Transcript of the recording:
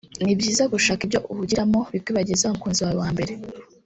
ni byiza gushaka ibyo uhugiramo bikwibagiza wa mukunzi wawe wa mbere